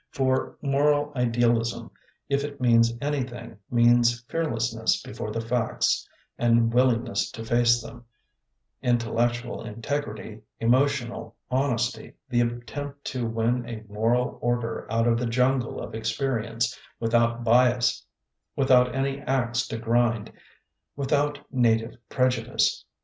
For moral idealism, if it means anything, means fearlessness before the facts and willingness to face them, intel lectual integrity, emotional honesty, the attempt to win a moral order out of the jungle of experience without bias, without any ax to grind, without native prejudice.